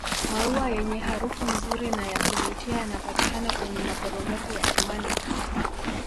maua yenye harufu nzuri na yakuvutia yanapatikana kwenye maporomoko ya kimani